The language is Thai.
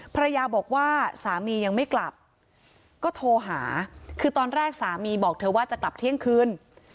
ภรรยาบอกว่าสามียังไม่กลับก็โทรหาคือตอนแรกสามีบอกเธอว่าจะกลับเที่ยงคืน